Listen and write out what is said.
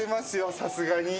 さすがに。